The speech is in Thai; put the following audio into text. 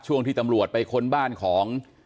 ช่วงที่ตำรวจไปค้นบ้านของ